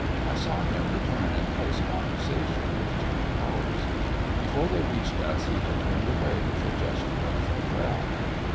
I saw him return in close conversation with Jimmy Powers. Before they reached us he had turned away with a gesture of farewell.